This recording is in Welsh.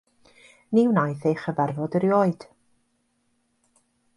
Ni wnaeth ei chyfarfod erioed.